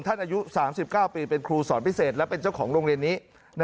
อายุ๓๙ปีเป็นครูสอนพิเศษและเป็นเจ้าของโรงเรียนนี้